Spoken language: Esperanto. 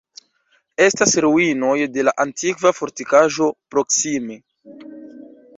Estas ruinoj de la antikva fortikaĵo proksime.